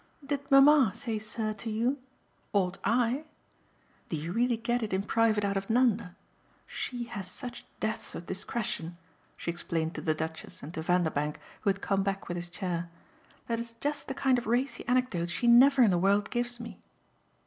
"Did mamma say 'sir' to you? Ought I? Do you really get it, in private, out of Nanda? SHE has such depths of discretion," she explained to the Duchess and to Vanderbank, who had come back with his chair, "that it's just the kind of racy anecdote she never in the world gives me."